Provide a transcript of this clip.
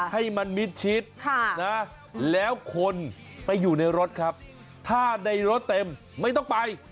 ให้มันมิดชิดแล้วคนไปอยู่ในรถครับถ้าในรถเต็มไม่ต้องไป